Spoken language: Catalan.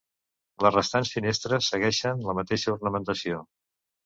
Les restants finestres segueixen la mateixa ornamentació.